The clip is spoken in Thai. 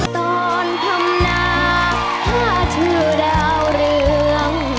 ตอนพรรมนาถ้าเธอดาวเรือง